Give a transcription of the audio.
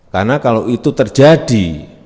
karena kalau itu terjadi